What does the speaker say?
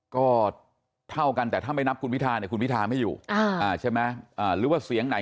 ก็เท่ากันแต่ถ้าไม่นับคุณพิธาเนี่ยคุณพิธาไม่อยู่ใช่ไหมหรือว่าเสียงไหน